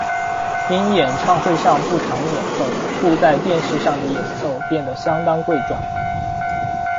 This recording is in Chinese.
因演唱会上不常演奏，故在电视上的演奏变得相当贵重。